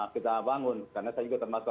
kita bangun karena saya juga termasuk